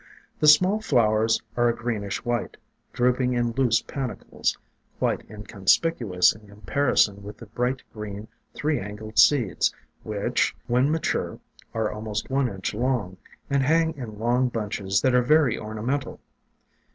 The small flowers are a greenish white, drooping in loose panicles, quite inconspicuous in comparison with the bright green three angled seeds which, when mature, are almost one inch long, and hang in long bunches that are very ornamental.